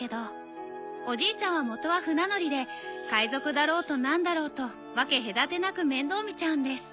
おじいちゃんは元は船乗りで海賊だろうと何だろうと分け隔てなく面倒見ちゃうんです。